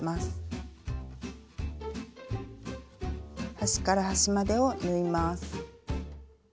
端から端までを縫います。